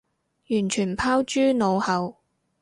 完全拋諸腦後